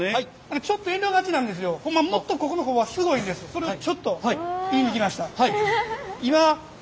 それをちょっと言いに来ました。